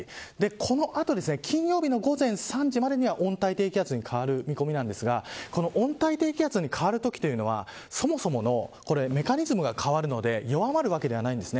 この後金曜日の午前３時までには温帯低気圧に変わる見込みなんですがこの温帯低気圧に変わるときというのはそもそもメカニズムが変わるので弱まるわけではないんです。